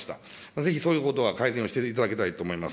ぜひそういうことは回避をしていただきたいと思います。